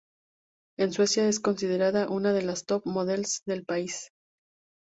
En Suecia, es considerada una de las top models del país.